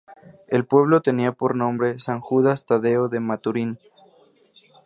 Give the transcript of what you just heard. El pueblo tenía por nombre "San Judas Tadeo de Maturín".